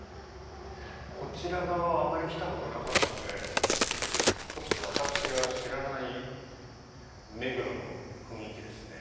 こちら側はあまり来たことがなかったので私が知らない目黒の雰囲気ですね。